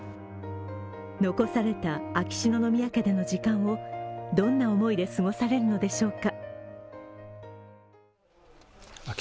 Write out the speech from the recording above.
残された秋篠宮家での時間をどんな思いで過ごされるのでしょうか。